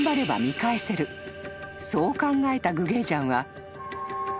［そう考えたグゲイジャンは］